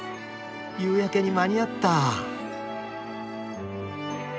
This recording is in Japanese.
夕焼けに間に合った！